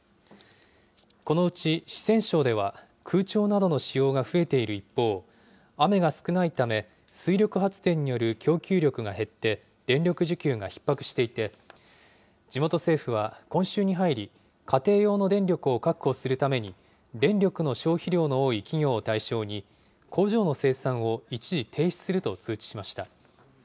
このうち四川省では、空調などの使用が増えている一方、雨が少ないため、水力発電による供給力が減って、電力需給がひっ迫していて、地元政府は今週に入り、家庭用の電力を確保するために、電力の消費量の多い企業を対象に、工場の生産を一時停止すると通知しました。